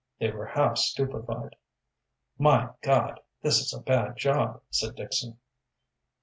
They were half stupefied. "My God! this is a bad job," said Dixon.